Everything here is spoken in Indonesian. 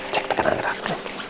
cek tekanan gerak